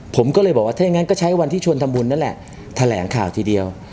ผมก็เลยบอกว่าถ้าอย่างนั้นก็ใช้วันที่ชวนทำบุญนั่นแหละแถลงข่าวทีเดียว